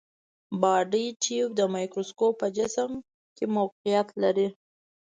بادي ټیوب د مایکروسکوپ په جسم کې موقعیت لري.